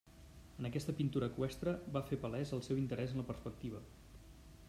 En aquesta pintura eqüestre, va fer palès el seu interès en la perspectiva.